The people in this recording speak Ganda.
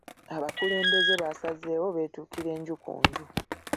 Abakulembeze baasazeewo beetuukire nju ku nju.